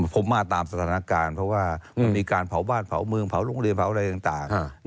ผมมาตามสถานการณ์เพราะว่ามันมีการเผาบ้านเผาเมืองเผาโรงเรียนเผาอะไรต่าง